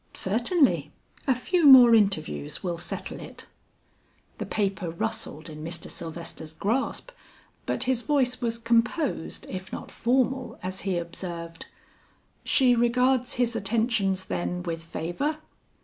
"Certainly; a few more interviews will settle it." The paper rustled in Mr. Sylvester's grasp, but his voice was composed if not formal, as he observed, "She regards his attentions then with favor?"